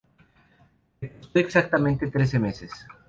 Me costó exactamente trece meses".